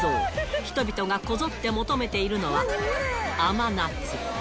人々がこぞって求めているのは、甘夏。